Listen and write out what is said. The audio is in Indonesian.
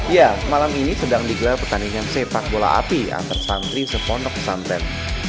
ya malam ini sedang digelar pertandingan sepak bola api antar santri sepondok pesantren